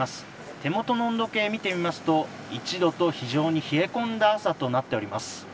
手元の温度計を見てみますと１度と非常に冷え込んだ朝となっています。